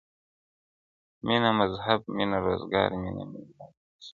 o مینه مذهب مینه روزګار مینه مي زړه مینه ساه,